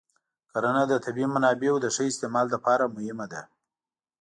کرنه د طبیعي منابعو د ښه استعمال لپاره مهمه ده.